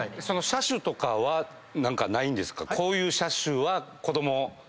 車種とかはないんですか？